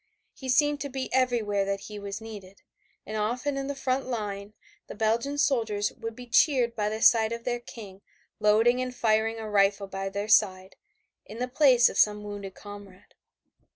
He seemed to be everywhere that he was needed, and often in the front line the Belgian soldiers would be cheered by the sight of their King loading and firing a rifle by their side, in the place of some wounded comrade.